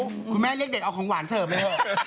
คุณแม่เรียกเด็ดเอาของหวานเสิร์ฟเลยเถอะ